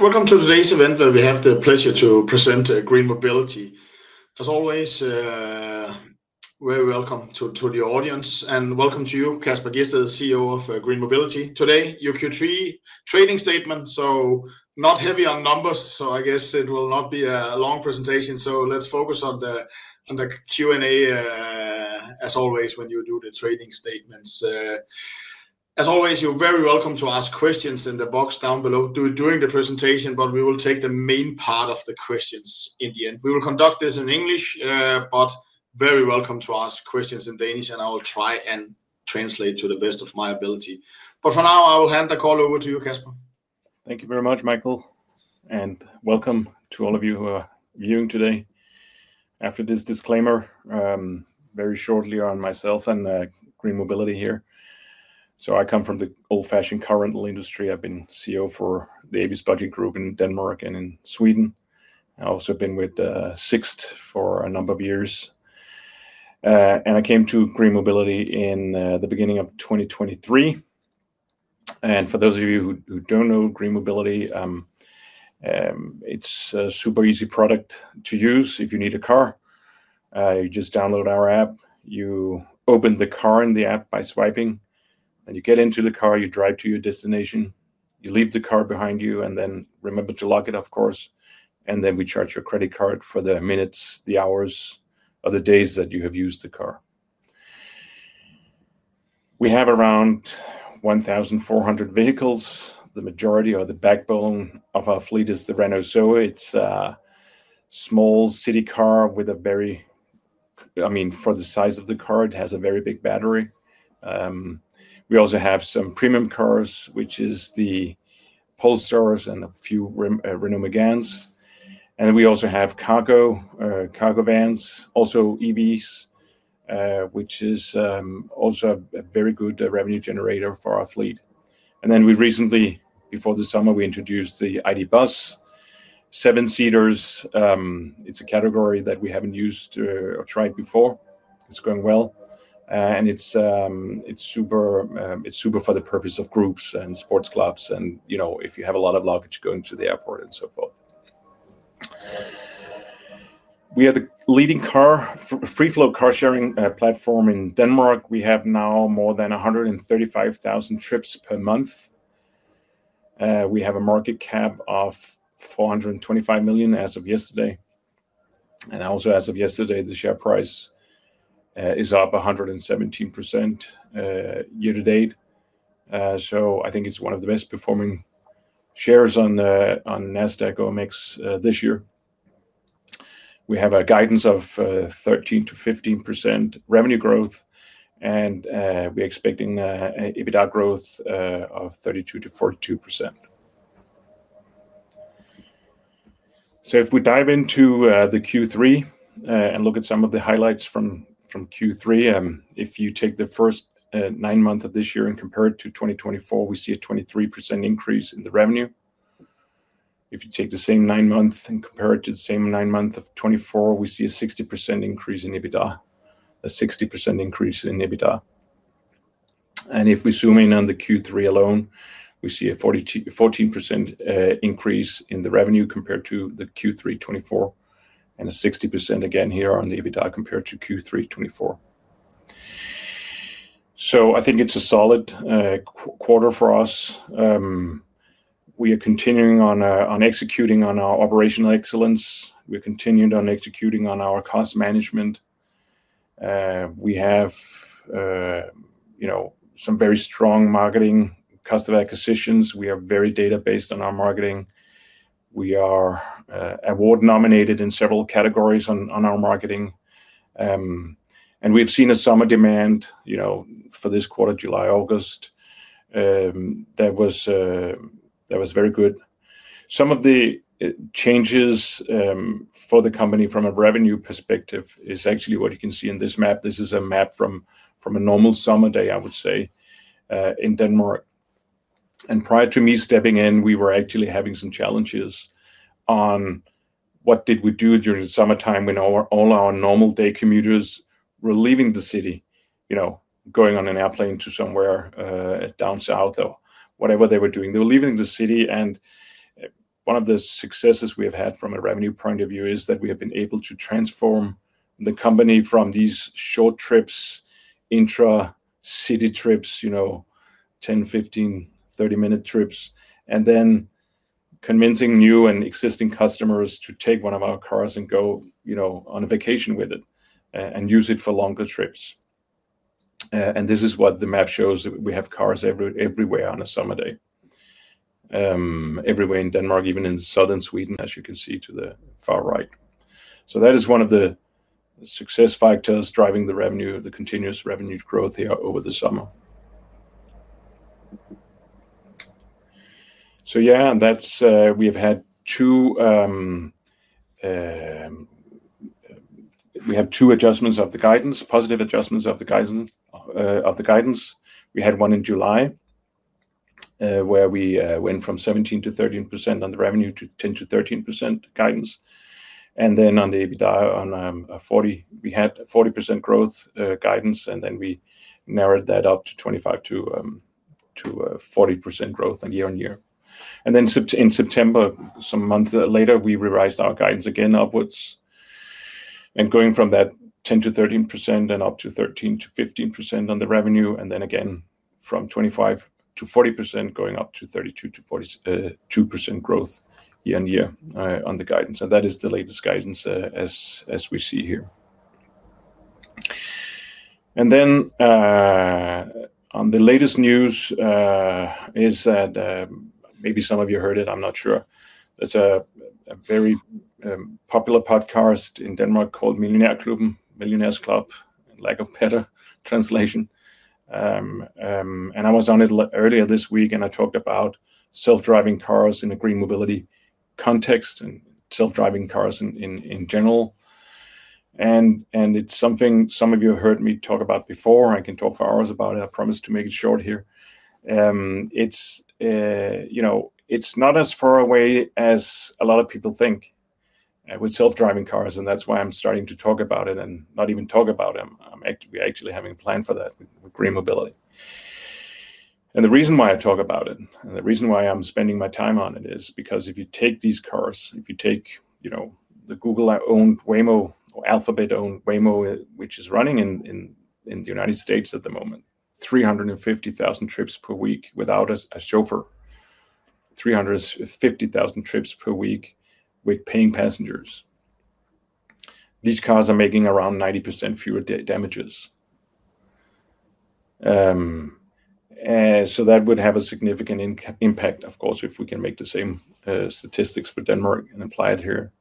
Welcome to today's event where we have the pleasure to present GreenMobility A/S. As always, very welcome to the audience and welcome to you, Kasper Gjedsted, CEO of GreenMobility A/S. Today, your Q3 trading statement. Not heavy on numbers, so I guess it will not be a long presentation. Let's focus on the Q&A, as always, when you do the trading statements. As always, you're very welcome to ask questions in the box down below during the presentation, but we will take the main part of the questions in the end. We will conduct this in English, but very welcome to ask questions in Danish, and I will try and translate to the best of my ability. For now, I will hand the call over to you, Kasper. Thank you very much, Michael, and welcome to all of you who are viewing today. After this disclaimer, very shortly on myself and GreenMobility here. I come from the old-fashioned car rental industry. I've been CEO for Davis Budget Group in Denmark and in Sweden. I also have been with Sixt for a number of years. I came to GreenMobility in the beginning of 2023. For those of you who don't know GreenMobility, it's a super easy product to use if you need a car. You just download our app. You open the car in the app by swiping, and you get into the car. You drive to your destination. You leave the car behind you, and then remember to lock it, of course. We charge your credit card for the minutes, the hours, or the days that you have used the car. We have around 1,400 vehicles. The majority or the backbone of our fleet is the Renault Zoe. It's a small city car with a very, I mean, for the size of the car, it has a very big battery. We also have some premium cars, which are the Polestars and a few Renault Meganes. We also have cargo vans, also EVs, which is also a very good revenue generator for our fleet. We recently, before the summer, introduced the ID. Buzz seven-seaters. It's a category that we haven't used or tried before. It's gone well. It's super for the purpose of groups and sports clubs, and if you have a lot of luggage going to the airport and so forth. We are the leading free float car sharing platform in Denmark. We have now more than 135,000 trips per month. We have a market cap of 425 million as of yesterday. Also, as of yesterday, the share price is up 117% year to date. I think it's one of the best performing shares on Nasdaq OMX this year. We have a guidance of 13% to 15% revenue growth, and we're expecting EBITDA growth of 32% to 42%. If we dive into the Q3 and look at some of the highlights from Q3, if you take the first nine months of this year and compare it to 2024, we see a 23% increase in the revenue. If you take the same nine months and compare it to the same nine months of 2024, we see a 60% increase in EBITDA, a 60% increase in EBITDA. If we zoom in on the Q3 alone, we see a 14% increase in the revenue compared to the Q3 2024, and a 60% again here on the EBITDA compared to Q3 2024. I think it's a solid quarter for us. We are continuing on executing on our operational excellence. We're continuing on executing on our cost management. We have some very strong marketing customer acquisitions. We are very data-based on our marketing. We are award-nominated in several categories on our marketing. We've seen a summer demand for this quarter, July-August, that was very good. Some of the changes for the company from a revenue perspective are actually what you can see in this map. This is a map from a normal summer day, I would say, in Denmark. Prior to me stepping in, we were actually having some challenges on what did we do during the summertime when all our normal day commuters were leaving the city, going on an airplane to somewhere down south or whatever they were doing. They were leaving the city. One of the successes we have had from a revenue point of view is that we have been able to transform the company from these short trips, intra-city trips, 10, 15, 30-minute trips, and then convincing new and existing customers to take one of our cars and go on a vacation with it and use it for longer trips. This is what the map shows. We have cars everywhere on a summer day, everywhere in Denmark, even in southern Sweden, as you can see to the far right. That is one of the success factors driving the revenue, the continuous revenue growth here over the summer. Yeah, we have had two, we had two adjustments of the guidance, positive adjustments of the guidance. We had one in July where we went from 17 to -13% on the revenue to 10-13% guidance. Then on the EBITDA on 40, we had 40% growth guidance, and then we narrowed that up to 25 to 40% growth year on year. In September, some months later, we revised our guidance again upwards. Going from that 10 to 13% and up to 13 to 15% on the revenue, and then again from 25 to 40%, going up to 32 to 42% growth year on year on the guidance. That is the latest guidance as we see here. The latest news is that maybe some of you heard it, I'm not sure. There's a very popular podcast in Denmark called Millionaire Club, Millionaires Club, in lack of better translation. I was on it earlier this week, and I talked about self-driving cars in a GreenMobility context and self-driving cars in general. It's something some of you have heard me talk about before. I can talk for hours about it. I promise to make it short here. It's not as far away as a lot of people think with autonomous vehicles, and that's why I'm starting to talk about it and not even talk about them. We're actually having a plan for that with GreenMobility. The reason why I talk about it and the reason why I'm spending my time on it is because if you take these cars, if you take, you know, the Google-owned Waymo or Alphabet-owned Waymo, which is running in the United States at the moment, 350,000 trips per week without a chauffeur, 350,000 trips per week with paying passengers. These cars are making around 90% fewer damages. That would have a significant impact, of course, if we can make the same statistics for Denmark and apply it here.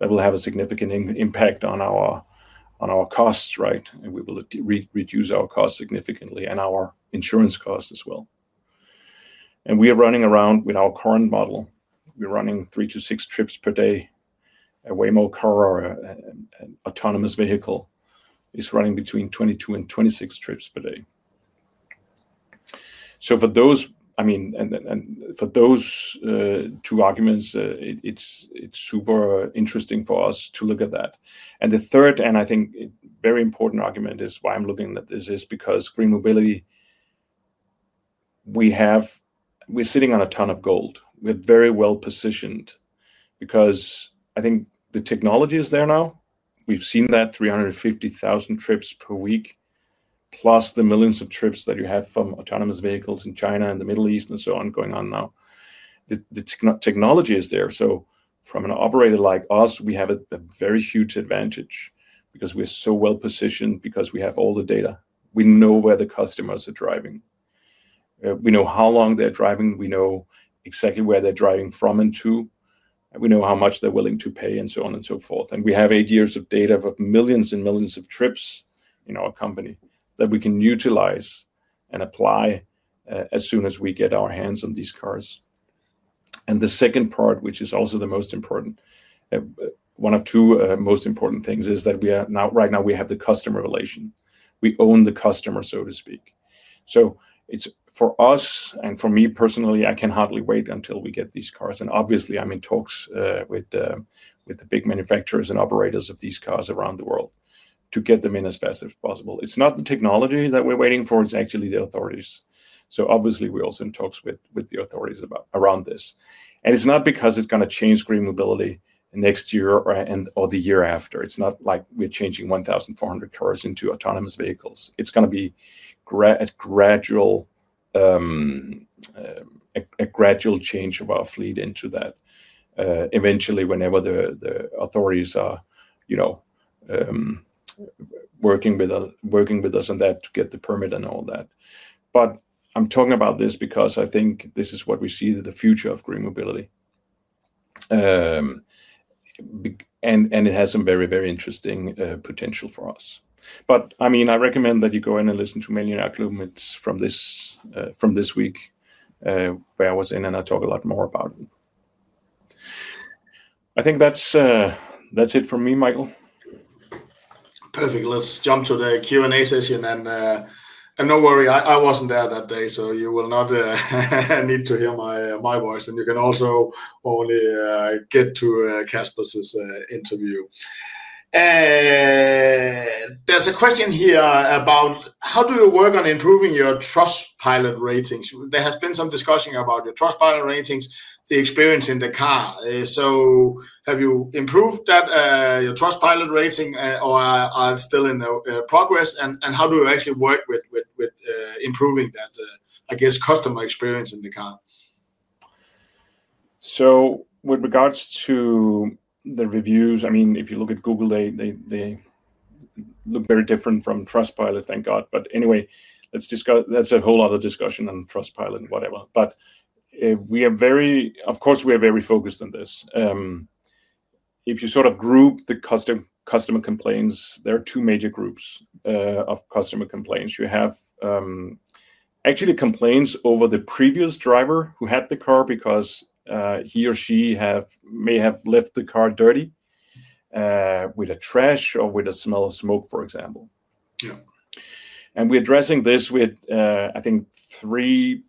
That will have a significant impact on our costs, right? We will reduce our costs significantly and our insurance costs as well. We are running around with our current model. We're running three to six trips per day. A Waymo car or an autonomous vehicle is running between 22 and 26 trips per day. For those, I mean, and for those two arguments, it's super interesting for us to look at that. The third, and I think a very important argument is why I'm looking at this is because GreenMobility, we have, we're sitting on a ton of gold. We're very well positioned because I think the technology is there now. We've seen that 350,000 trips per week, plus the millions of trips that you have from autonomous vehicles in China and the Middle East and so on going on now. The technology is there. From an operator like us, we have a very huge advantage because we're so well positioned because we have all the data. We know where the customers are driving. We know how long they're driving. We know exactly where they're driving from and to. We know how much they're willing to pay and so on and so forth. We have eight years of data of millions and millions of trips in our company that we can utilize and apply as soon as we get our hands on these cars. The second part, which is also the most important, one of two most important things is that we are now, right now, we have the customer relation. We own the customer, so to speak. It's for us and for me personally, I can hardly wait until we get these cars. Obviously, I'm in talks with the big manufacturers and operators of these cars around the world to get them in as fast as possible. It's not the technology that we're waiting for. It's actually the authorities. Obviously, we're also in talks with the authorities around this. It's not because it's going to change GreenMobility next year or the year after. It's not like we're changing 1,400 cars into autonomous vehicles. It's going to be a gradual change of our fleet into that. Eventually, whenever the authorities are working with us on that to get the permit and all that. I'm talking about this because I think this is what we see is the future of GreenMobility, and it has some very, very interesting potential for us. I recommend that you go in and listen to Millionaire Club. It's from this week where I was in and I talk a lot more about it. I think that's it for me, Michael. Perfect. Let's jump to the Q&A session. No worry, I wasn't there that day, so you will not need to hear my voice. You can also only get to Kasper's interview. There's a question here about how do you work on improving your Trustpilot ratings? There has been some discussion about your Trustpilot ratings, the experience in the car. Have you improved your Trustpilot rating or are you still in progress? How do you actually work with improving that, I guess, customer experience in the car? With regards to the reviews, if you look at Google, they look very different from Trustpilot, thank God. That's a whole other discussion on Trustpilot and whatever. We are very focused on this. If you sort of group the customer complaints, there are two major groups of customer complaints. You have complaints over the previous driver who had the car because he or she may have left the car dirty with trash or with a smell of smoke, for example. We're addressing this with, I think, three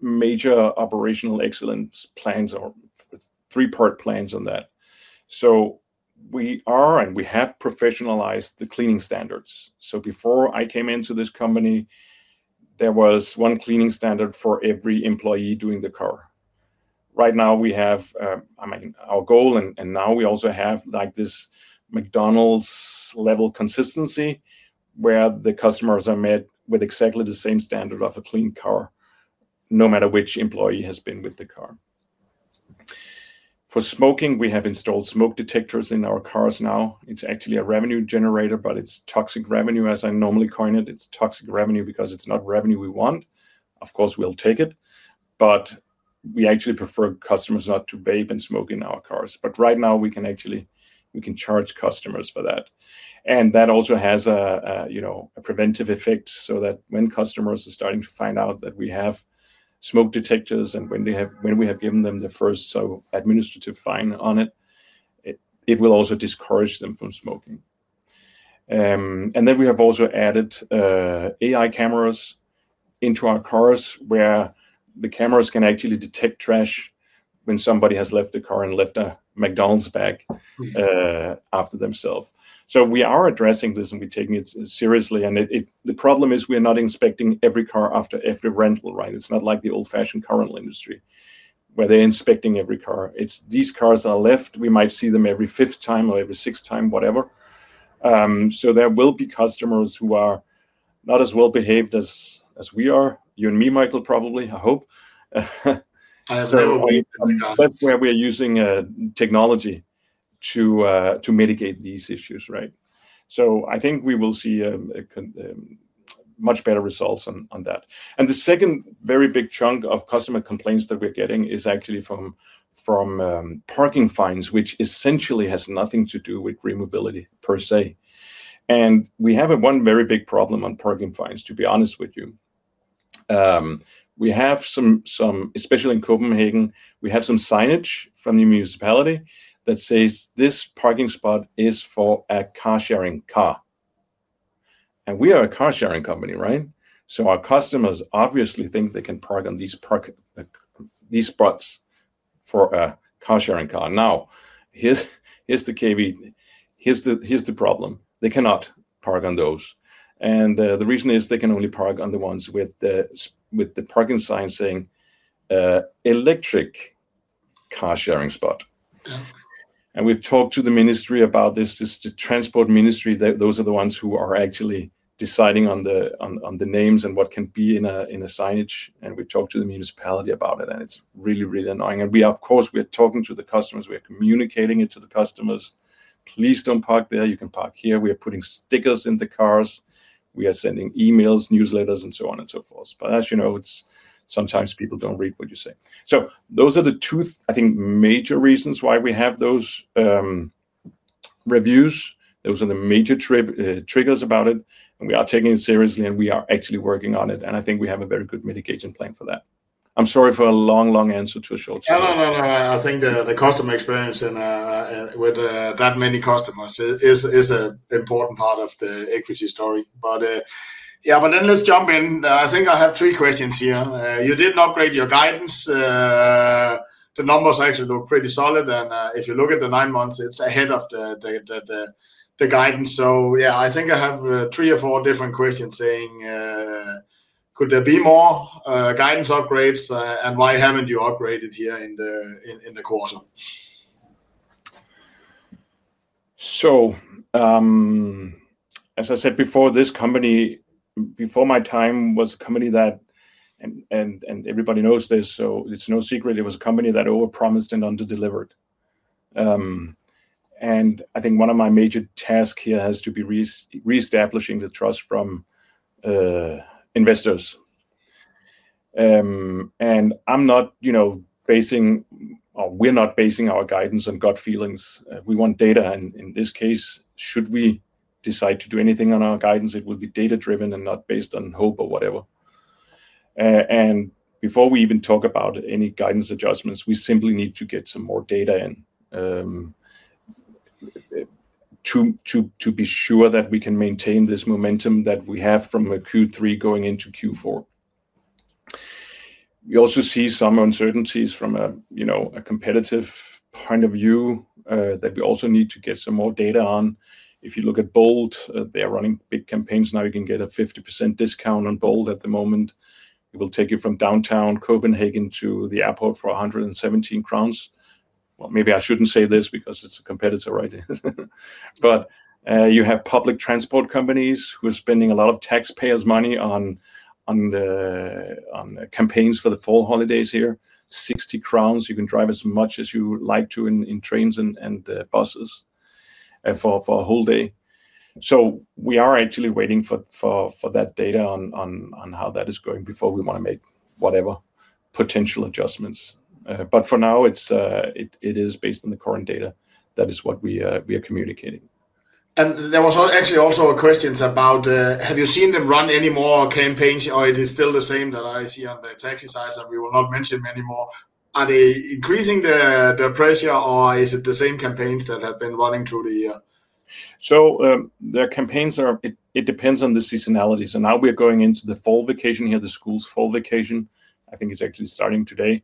major operational excellence plans or a three-part plan on that. We have professionalized the cleaning standards. Before I came into this company, there was one cleaning standard for every employee doing the car. Right now, our goal, and now we also have this McDonald's level consistency where the customers are met with exactly the same standard of a clean car, no matter which employee has been with the car. For smoking, we have installed smoke detectors in our cars now. It's actually a revenue generator, but it's toxic revenue, as I normally coin it. It's toxic revenue because it's not revenue we want. Of course, we'll take it. We actually prefer customers not to vape and smoke in our cars. Right now, we can charge customers for that. That also has a preventive effect so that when customers are starting to find out that we have smoke detectors and when we have given them the first administrative fine on it, it will also discourage them from smoking. We have also added AI cameras into our cars where the cameras can actually detect trash when somebody has left the car and left a McDonald's bag after themselves. We are addressing this and we're taking it seriously. The problem is we're not inspecting every car after rental. It's not like the old-fashioned car rental industry where they're inspecting every car. These cars are left. We might see them every fifth time or every sixth time, whatever. There will be customers who are not as well behaved as we are. You and me, Michael, probably, I hope. I have no idea. That's where we're using technology to mitigate these issues, right? I think we will see much better results on that. The second very big chunk of customer complaints that we're getting is actually from parking fines, which essentially has nothing to do with GreenMobility per se. We have one very big problem on parking fines, to be honest with you. We have some, especially in Copenhagen, signage from the municipality that says this parking spot is for a car sharing car. We are a car sharing company, right? Our customers obviously think they can park on these spots for a car sharing car. Now, here's the key. Here's the problem. They cannot park on those. The reason is they can only park on the ones with the parking sign saying electric car sharing spot. We've talked to the ministry about this. It's the transport ministry. Those are the ones who are actually deciding on the names and what can be in a signage. We talked to the municipality about it. It's really, really annoying. Of course, we're talking to the customers. We're communicating it to the customers. Please don't park there. You can park here. We're putting stickers in the cars. We are sending emails, newsletters, and so on and so forth. As you know, sometimes people don't read what you say. Those are the two, I think, major reasons why we have those reviews. Those are the major triggers about it. We are taking it seriously and we are actually working on it. I think we have a very good mitigation plan for that. I'm sorry for a long, long answer to a short answer. I think the customer experience and with that many customers is an important part of the equity story. Yeah, let's jump in. I think I have three questions here. You didn't upgrade your guidance. The numbers actually look pretty solid. If you look at the nine months, it's ahead of the guidance. I think I have three or four different questions saying, could there be more guidance upgrades and why haven't you upgraded here in the quarter? As I said before, this company, before my time, was a company that, and everybody knows this, so it's no secret, it was a company that overpromised and under-delivered. I think one of my major tasks here has to be reestablishing the trust from investors. I'm not, you know, basing, or we're not basing our guidance on gut feelings. We want data. In this case, should we decide to do anything on our guidance, it will be data-driven and not based on hope or whatever. Before we even talk about any guidance adjustments, we simply need to get some more data in to be sure that we can maintain this momentum that we have from Q3 going into Q4. We also see some uncertainties from a competitive point of view that we also need to get some more data on. If you look at Bolt, they're running big campaigns now. You can get a 50% discount on Bolt at the moment. It will take you from downtown Copenhagen to the airport for 117 crowns. Maybe I shouldn't say this because it's a competitor, right? You have public transport companies who are spending a lot of taxpayers' money on campaigns for the fall holidays here. 60 crowns, you can drive as much as you like to in trains and buses for a whole day. We are actually waiting for that data on how that is going before we want to make whatever potential adjustments. For now, it is based on the current data. That is what we are communicating. There were actually also questions about, have you seen them run any more campaigns or is it still the same that I see on the taxi sides and we will not mention them anymore? Are they increasing the pressure or is it the same campaigns that have been running through the year? The campaigns depend on the seasonality. Now we're going into the fall vacation here, the school's fall vacation. I think it's actually starting today.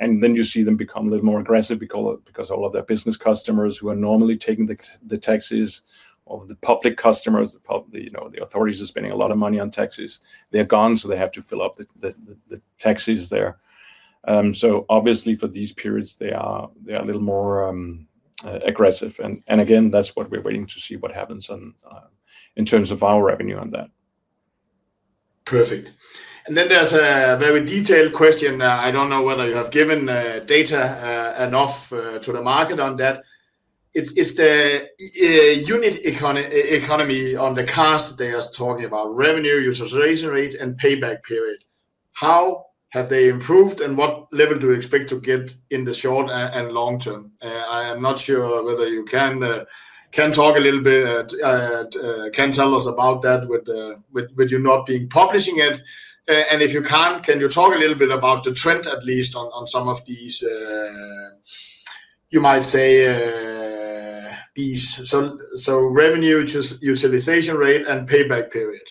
You see them become a little more aggressive because all of their business customers who are normally taking the taxis or the public customers, the authorities are spending a lot of money on taxis. They're gone, so they have to fill up the taxis there. For these periods, they are a little more aggressive. That's what we're waiting to see, what happens in terms of our revenue on that. Perfect. There is a very detailed question. I don't know whether you have given data enough to the market on that. It's the unit economy on the cars they are talking about: revenue, utilization rate, and payback period. How have they improved, and what level do you expect to get in the short and long term? I am not sure whether you can talk a little bit, can tell us about that with you not being publishing it. If you can't, can you talk a little bit about the trend at least on some of these, you might say, these revenue utilization rate and payback period?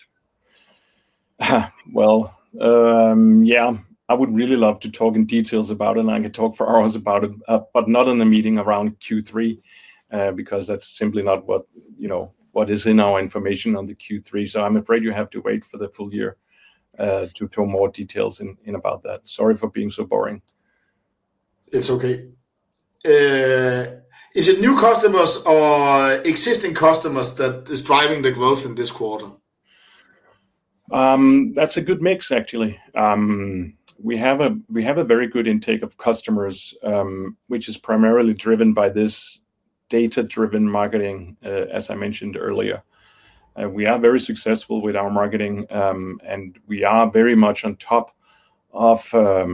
I would really love to talk in details about it. I could talk for hours about it, but not in the meeting around Q3 because that's simply not what is in our information on the Q3. I'm afraid you have to wait for the full year to tell more details in about that. Sorry for being so boring. Is it new customers or existing customers that are driving the growth in this quarter? That's a good mix, actually. We have a very good intake of customers, which is primarily driven by this data-driven marketing, as I mentioned earlier. We are very successful with our marketing, and we are very much on top of the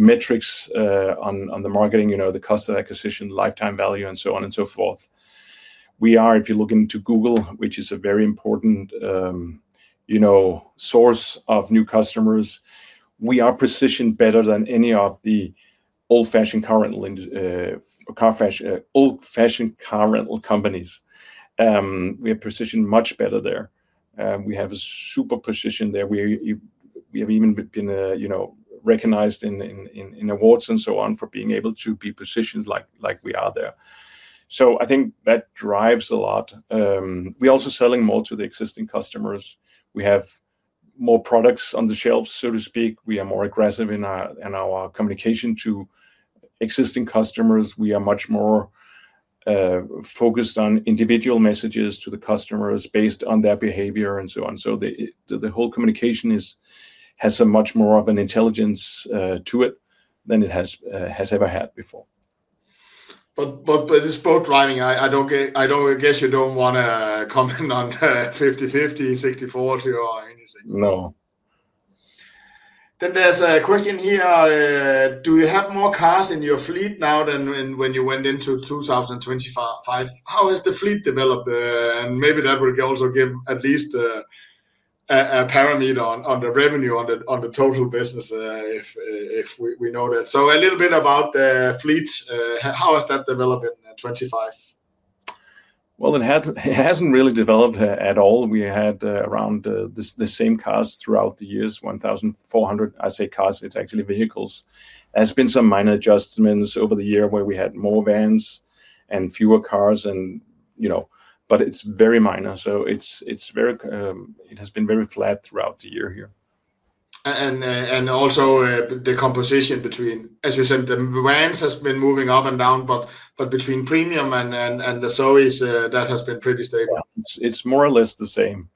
metrics on the marketing, you know, the cost of acquisition, lifetime value, and so on and so forth. If you look into Google, which is a very important, you know, source of new customers, we are positioned better than any of the old-fashioned car rental companies. We are positioned much better there. We have a super position there. We have even been recognized in awards and so on for being able to be positioned like we are there. I think that drives a lot. We're also selling more to the existing customers. We have more products on the shelves, so to speak. We are more aggressive in our communication to existing customers. We are much more focused on individual messages to the customers based on their behavior and so on. The whole communication has much more of an intelligence to it than it has ever had before. By this Bolt driving, I guess you don't want to contend on 50-50, 60-40 or anything. No. Do you have more cars in your fleet now than when you went into 2025? How has the fleet developed? Maybe that will also give at least a parameter on the revenue on the total business if we know that. A little bit about the fleet. How has that developed in 2025? It hasn't really developed at all. We had around the same cars throughout the years, 1,400. I say cars, it's actually vehicles. There's been some minor adjustments over the year where we had more vans and fewer cars, but it's very minor. It's very, it has been very flat throughout the year here. The composition between, as you said, the vans has been moving up and down, but between premium and the Zoe, that has been pretty stable. It's more or less the same.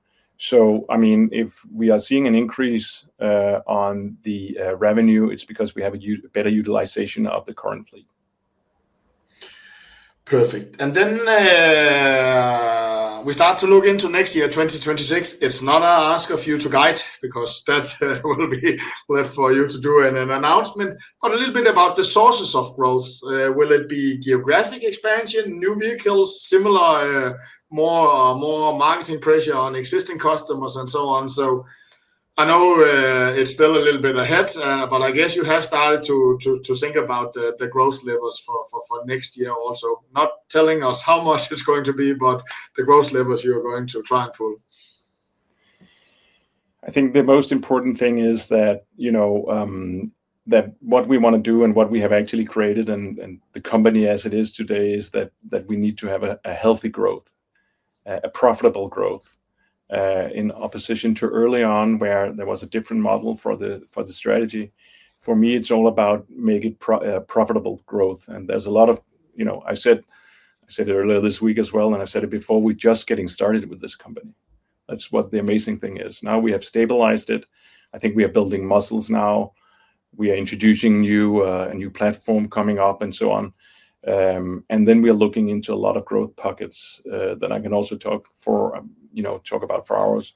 I mean, if we are seeing an increase on the revenue, it's because we have a better utilization of the current fleet. Perfect. We start to look into next year, 2026. It's not an ask of you to guide because that will be left for you to do an announcement. A little bit about the sources of growth. Will it be geographic expansion, new vehicles, similar, more marketing pressure on existing customers, and so on? I know it's still a little bit ahead, but I guess you have started to think about the growth levels for next year also. Not telling us how much it's going to be, but the growth levels you're going to try and pull. I think the most important thing is that what we want to do and what we have actually created and the company as it is today is that we need to have a healthy growth, a profitable growth in opposition to early on where there was a different model for the strategy. For me, it's all about making profitable growth. I said it earlier this week as well, and I said it before, we're just getting started with this company. That's what the amazing thing is. Now we have stabilized it. I think we are building muscles now. We are introducing a new platform coming up and so on. We are looking into a lot of growth pockets that I can also talk about for hours.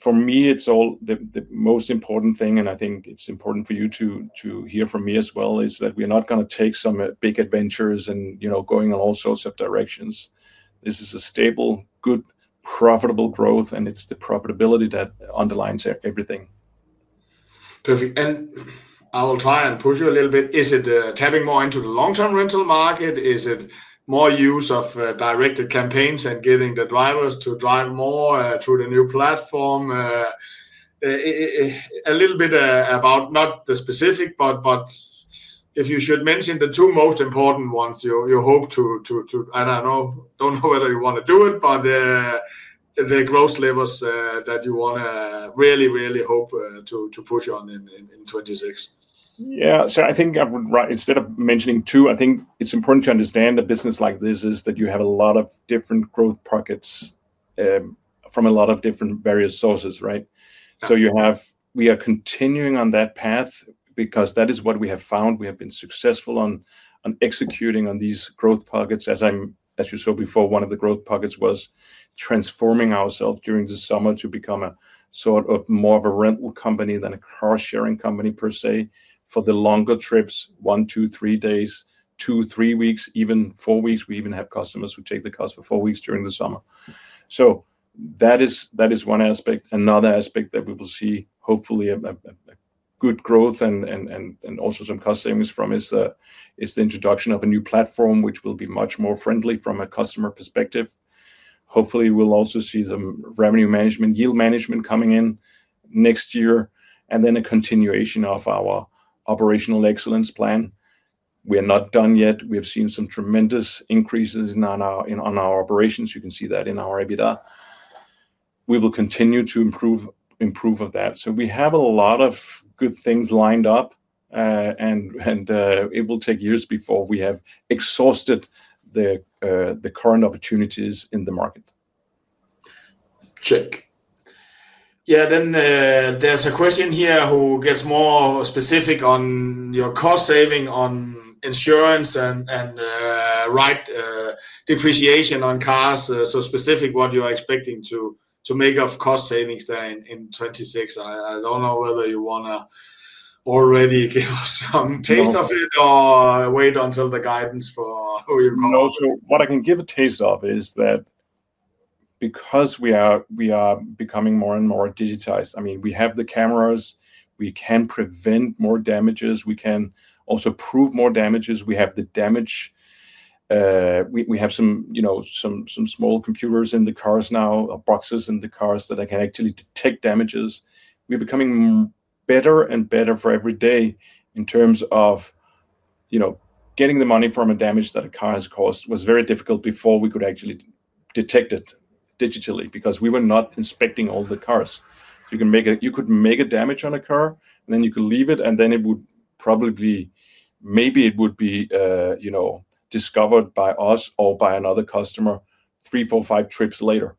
For me, it's all the most important thing, and I think it's important for you to hear from me as well, is that we're not going to take some big adventures and going in all sorts of directions. This is a stable, good, profitable growth, and it's the profitability that underlines everything. Perfect. I'll try and push you a little bit. Is it tapping more into the long-term rental market? Is it more use of directed campaigns and getting the drivers to drive more through the new platform? A little bit about, not the specific, but if you should mention the two most important ones you hope to, and I don't know whether you want to do it, but the growth levels that you want to really, really hope to push on in 2026. I think instead of mentioning two, I think it's important to understand a business like this is that you have a lot of different growth pockets from a lot of different various sources, right? You have, we are continuing on that path because that is what we have found. We have been successful on executing on these growth pockets. As you saw before, one of the growth pockets was transforming ourselves during the summer to become sort of more of a rental company than a car sharing company per se for the longer trips, one, two, three days, two, three weeks, even four weeks. We even have customers who take the cars for four weeks during the summer. That is one aspect. Another aspect that we will see, hopefully, a good growth and also some cost savings from is the introduction of a new platform, which will be much more friendly from a customer perspective. Hopefully, we'll also see some revenue management, yield management coming in next year, and then a continuation of our operational excellence plan. We're not done yet. We've seen some tremendous increases in our operations. You can see that in our EBITDA. We will continue to improve that. We have a lot of good things lined up, and it will take years before we have exhausted the current opportunities in the market. Yeah, there's a question here who gets more specific on your cost saving on insurance and right depreciation on cars. Specifically, what you're expecting to make of cost savings there in 2026. I don't know whether you want to already give us some taste of it or wait until the guidance for who you're going to. No, what I can give a taste of is that because we are becoming more and more digitized, I mean, we have the AI cameras. We can prevent more damages. We can also prove more damages. We have the damage. We have some small computers in the cars now, boxes in the cars that can actually detect damages. We're becoming better and better every day in terms of getting the money from a damage that a car has caused, which was very difficult before we could actually detect it digitally because we were not inspecting all the cars. You could make a damage on a car, and then you could leave it, and then it would probably, maybe it would be discovered by us or by another customer three, four, five trips later.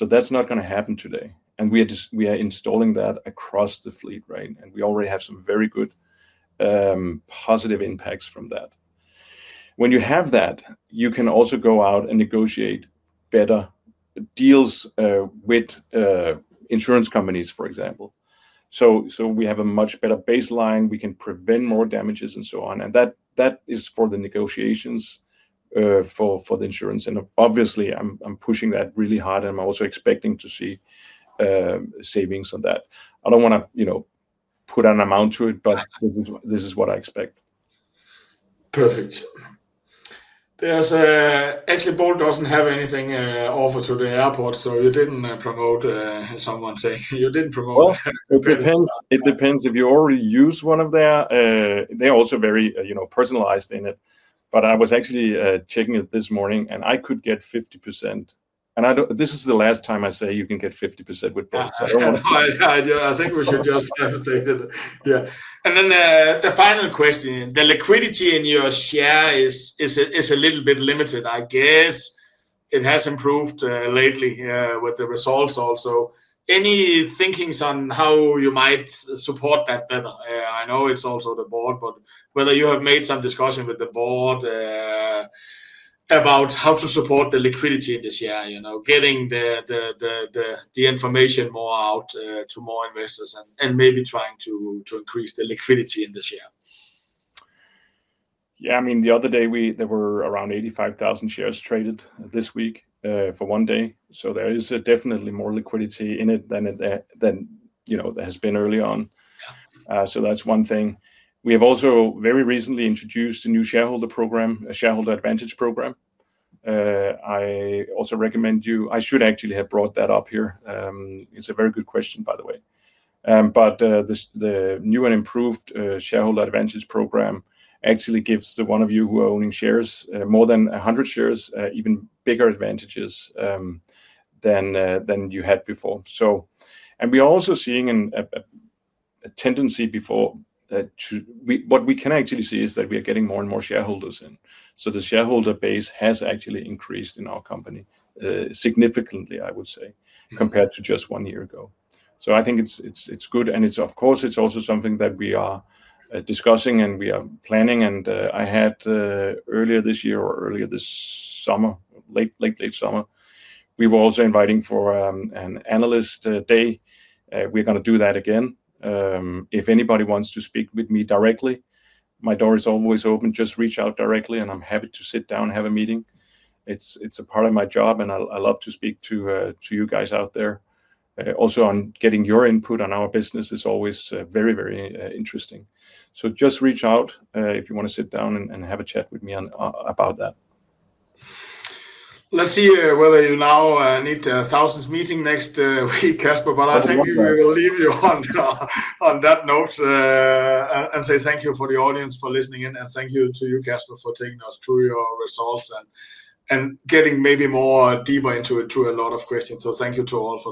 That's not going to happen today. We are installing that across the fleet, right? We already have some very good positive impacts from that. When you have that, you can also go out and negotiate better deals with insurance companies, for example. We have a much better baseline. We can prevent more damages and so on. That is for the negotiations for the insurance. Obviously, I'm pushing that really hard, and I'm also expecting to see savings on that. I don't want to put an amount to it, but this is what I expect. Perfect. Actually, Bolt doesn't have anything offered to the airport, so you didn't promote, as someone said. You didn't promote. It depends. It depends if you already use one of theirs. They're also very, you know, personalized in it. I was actually checking it this morning, and I could get 50%. This is the last time I say you can get 50% with Bolt. I think we should just have stated it. Yeah. The final question, the liquidity in your share is a little bit limited. I guess it has improved lately with the results also. Any thinkings on how you might support that better? I know it's also the board, but whether you have made some discussion with the board about how to support the liquidity in this year, you know, getting the information more out to more investors and maybe trying to increase the liquidity in this year. Yeah, I mean, the other day there were around 85,000 shares traded this week for one day. There is definitely more liquidity in it than there has been early on. That's one thing. We have also very recently introduced a new shareholder program, a shareholder advantage program. I also recommend you, I should actually have brought that up here. It's a very good question, by the way. The new and improved shareholder advantage program actually gives the one of you who are owning shares, more than 100 shares, even bigger advantages than you had before. We are also seeing a tendency before. What we can actually see is that we are getting more and more shareholders in. The shareholder base has actually increased in our company significantly, I would say, compared to just one year ago. I think it's good. Of course, it's also something that we are discussing and we are planning. I had earlier this year or earlier this summer, late, late, late summer, we were also inviting for an analyst day. We're going to do that again. If anybody wants to speak with me directly, my door is always open. Just reach out directly and I'm happy to sit down and have a meeting. It's a part of my job and I love to speak to you guys out there. Also, getting your input on our business is always very, very interesting. Just reach out if you want to sit down and have a chat with me about that. Let's see whether you now need a thousandth meeting next week, Kasper, but I think we will leave you on that note and say thank you to the audience for listening in and thank you to you, Kasper, for taking us through your results and getting maybe more deeper into it through a lot of questions. Thank you to all.